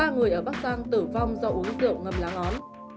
ba người ở bắc giang tử vong do uống rượu ngâm lá ngón